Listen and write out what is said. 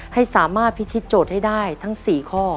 ให้สามารถพิธีโจทย์ให้ได้ทั้ง๔ข้อ